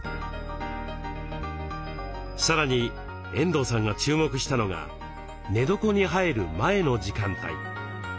さらに遠藤さんが注目したのが寝床に入る前の時間帯。